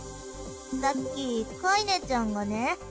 さっきカイネちゃんがね